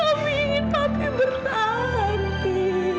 kami ingin papi bertahan pi